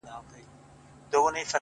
سم داسي ښكاري راته ـ